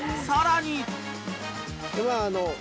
［さらに］